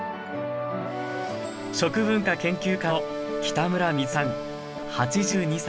食文化研究家の北村光世さん８２歳。